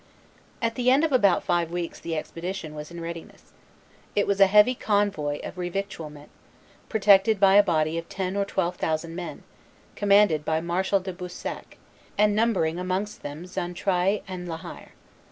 At the end of about five weeks the expedition was in readiness. It was a heavy convoy of revictualment, protected by a body of ten or twelve thousand men, commanded by Marshal de Boussac, and numbering amongst them Xaintrailles and La Hire.